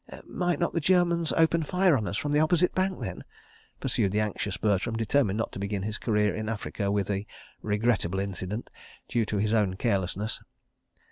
"Might not the Germans open fire on us from the opposite bank then?" pursued the anxious Bertram, determined not to begin his career in Africa with a "regrettable incident," due to his own carelessness.